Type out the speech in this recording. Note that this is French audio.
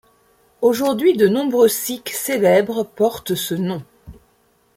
Aujourd'hui de nombreux sikhs célèbres portent ce nom.